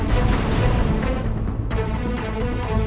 gue akan buka